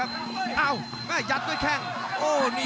รับทราบบรรดาศักดิ์